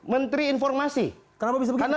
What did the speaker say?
menteri informasi kenapa bisa karena